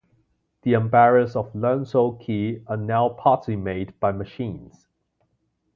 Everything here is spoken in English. The umbrellas of Leung So Kee are now partly made by machines.